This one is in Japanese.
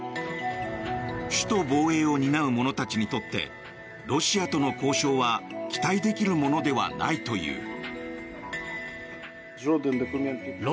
首都防衛を担う者たちにとってロシアとの交渉は期待できるものではないという。